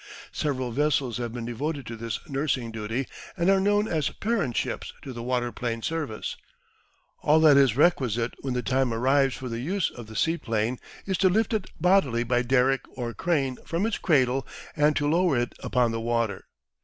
Several vessels have been devoted to this nursing duty and are known as parent ships to the waterplane service. All that is requisite when the time arrives for the use of the seaplane is to lift it bodily by derrick or crane from its cradle and to lower it upon the water.